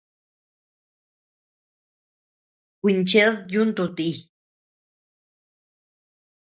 Kuincheʼed yuntu ti.